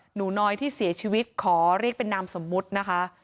หนูน้อยที่เสียชีวิตขอเรียกเป็นนามสมมุตินะคะ